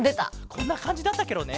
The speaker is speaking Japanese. こんなかんじだったケロね。